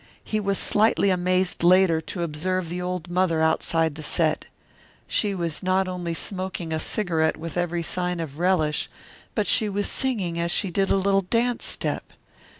He was slightly amazed later to observe the old mother outside the set. She was not only smoking a cigarette with every sign of relish, but she was singing as she did a little dance step.